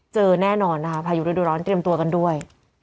เจอแน่นอนนะคะพายุฤดูร้อนเตรียมตัวกันด้วย